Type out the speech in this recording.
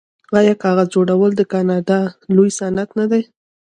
آیا کاغذ جوړول د کاناډا لوی صنعت نه دی؟